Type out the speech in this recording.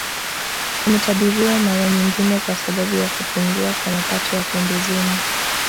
Umetabiriwa mara nyingine kwa sababu ya kupungua kwa mapato ya pembezoni